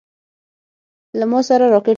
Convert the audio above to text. له ما سره راکټ و.